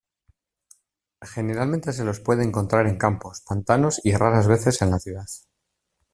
Generalmente se los puede encontrar en campos, pantanos y raras veces en la ciudad.